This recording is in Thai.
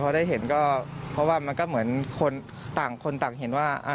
พอได้เห็นก็เพราะว่ามันก็เหมือนคนต่างคนต่างเห็นว่า